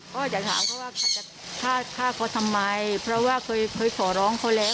ก็อยากถามเขาว่าจะฆ่าฆ่าเขาทำไมเพราะว่าเคยขอร้องเขาแล้ว